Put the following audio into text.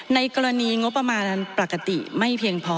ในกรณีงบประมาณนั้นปกติไม่เพียงพอ